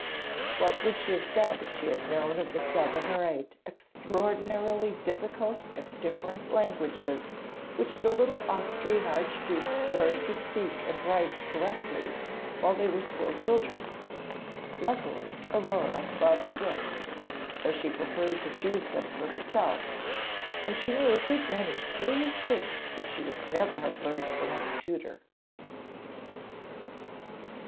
What would she have said if she had known of the seven or eight extraordinarily difficult and different languages which the little Austrian Archdukes learnt to speak and write correctly while they were still children? Luckily Aurore loved books, though she preferred to choose them for herself, and she knew a good many curious things which she would never have learned from any tutor.